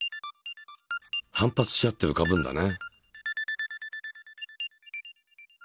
反発し合ってうかぶんだね。